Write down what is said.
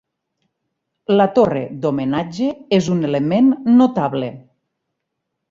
La torre d'homenatge és un element notable.